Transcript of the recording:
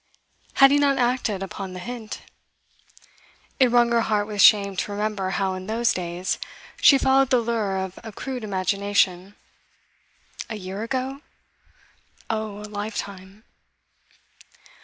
Had he not acted upon the hint? It wrung her heart with shame to remember how, in those days, she followed the lure of a crude imagination. A year ago? Oh, a lifetime!